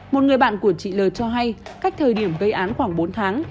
một người bạn của chị t d l cho hay cách thời điểm gây án khoảng bốn tháng